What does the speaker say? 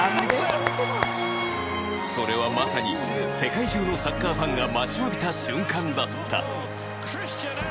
それはまさに世界中のサッカーファンが待ちわびた瞬間だった。